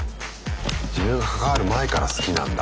自分が関わる前から好きなんだ。